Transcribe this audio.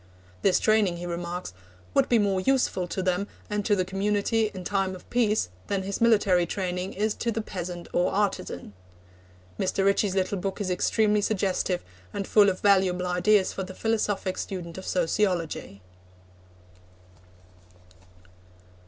This training, he remarks, 'would be more useful to them and to the community in time of peace than his military training is to the peasant or artisan.' Mr. Ritchie's little book is extremely suggestive, and full of valuable ideas for the philosophic student of sociology.